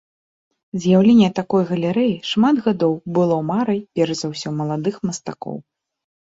З'яўленне такой галерэі шмат гадоў было марай перш за ўсё маладых мастакоў.